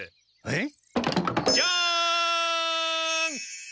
えっ！？